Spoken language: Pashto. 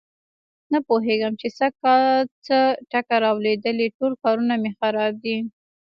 نه پوهېږم چې سږ کل څه ټکه را لوېدلې ټول کارونه مې خراب دي.